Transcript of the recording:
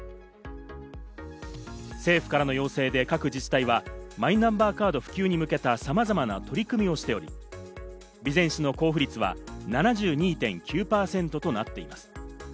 政府からの要請で、各自治体はマイナンバーカード普及に向けた様々な取り組みをしており、備前市の交付率は７２．９％となっています。